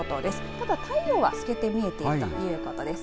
ただ、太陽は透けて見えているということです。